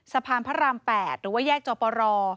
สะพานพระราม๘หรือว่าแยกจอปร